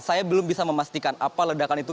saya belum bisa memastikan apa ledakan itu